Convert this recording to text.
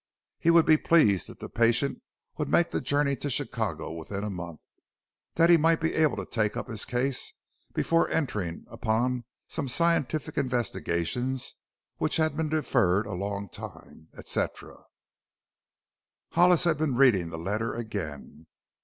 He would be pleased if the patient would make the journey to Chicago within a month, that he might be able to take up his case before entering upon some scientific investigations which had been deferred a long time, etc. Hollis had been reading the letter again.